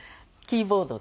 キーボード。